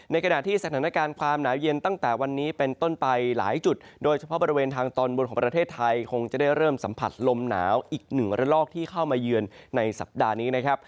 ขณะที่สถานการณ์ความหนาวเย็นตั้งแต่วันนี้เป็นต้นไปหลายจุดโดยเฉพาะบริเวณทางตอนบนของประเทศไทยคงจะได้เริ่มสัมผัสลมหนาวอีกหนึ่งระลอกที่เข้ามาเยือนในสัปดาห์นี้นะครับ